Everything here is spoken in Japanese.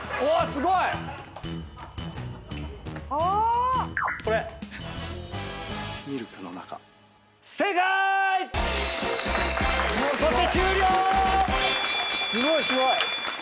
すごいすごい！